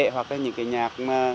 hoặc là những cái nhạc